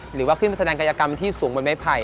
หรือว่าขึ้นมาแสดงกายกรรมที่สูงบนไม้ไผ่